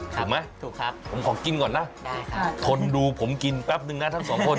ถูกไหมถูกครับผมขอกินก่อนนะได้ค่ะทนดูผมกินแป๊บนึงนะทั้งสองคน